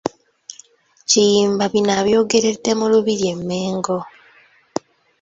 Kiyimba bino abyogeredde mu Lubiri e Mmengo.